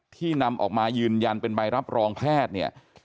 ที่นำออกมายืนยันเป็นใบรับรองแพทย์เนี่ย